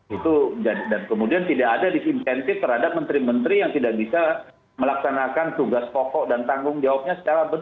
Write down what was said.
itu dan kemudian tidak ada disinsentif terhadap menteri menteri yang tidak bisa melaksanakan tugas pokok dan tanggung jawabnya secara benar